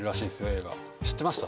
映画知ってました？